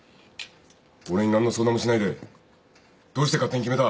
俺に何の相談もしないでどうして勝手に決めた。